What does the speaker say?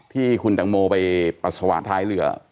ที่คุณแตงโมไปปัสสาวะท้ายเรือ